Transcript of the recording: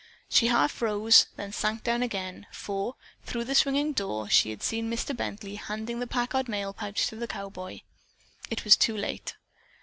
She half rose, then sank down again, for through the swinging door she had seen Mr. Bently handing the Packard mail pouch to the cowboy. It was too late.